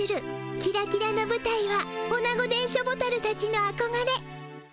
キラキラのぶたいはオナゴ電書ボタルたちのあこがれ。